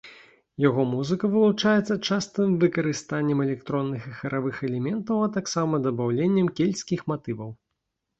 Яго музыка вылучаецца частым выкарыстаннем электронных і харавых элементаў, а таксама дабаўленнем кельцкіх матываў.